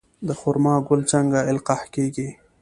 د خرما ګل څنګه القاح کیږي؟